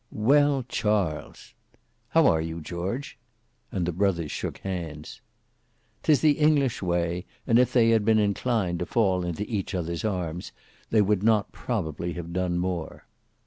"Well Charles!" "How are you George?" And the brothers shook hands. 'Tis the English way; and if they had been inclined to fall into each other's arms, they would not probably have done more.